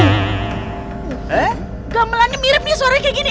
gemelannya mirip nih suaranya kayak gini